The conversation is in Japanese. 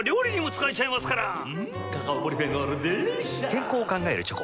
健康を考えるチョコ。